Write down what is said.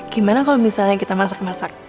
gimana kalau misalnya kita masak masak